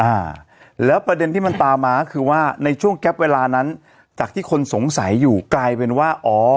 อ่าแล้วประเด็นที่มันตามมาก็คือว่าในช่วงแก๊ปเวลานั้นจากที่คนสงสัยอยู่กลายเป็นว่าอ๋อ